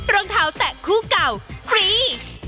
รองเท้าแตะคู่เก่าฟรี